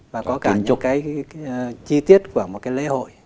và có cả cho cái chi tiết của một cái lễ hội